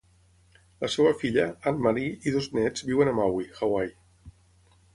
La seva filla, Anne Marie, i dos nets viuen a Maui (Hawaii).